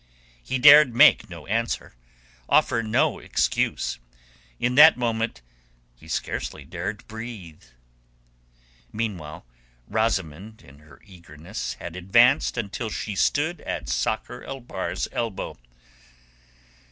He dared make no answer, offer no excuse; in that moment he scarcely dared breathe. Meanwhile Rosamund in her eagerness had advanced until she stood at Sakr el Bahr's elbow.